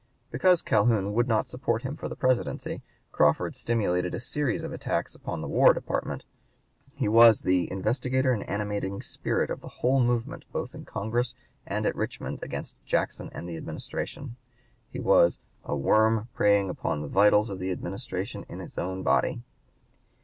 Because Calhoun would not support him for the Presidency, Crawford stimulated a series of attacks upon the War Department. He was the "instigator and animating spirit of the whole movement both in Congress and at Richmond against Jackson and the Administration." He was "a worm preying upon the vitals of the (p. 156) Administration in its own body."